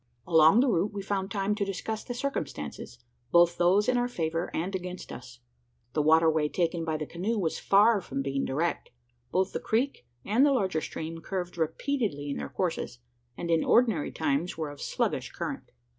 Along the route we found time to discuss the circumstances both those in our favour and against us. The water way taken by the canoe was far from being direct. Both the creek and the larger stream curved repeatedly in their courses; and in ordinary times were of sluggish current.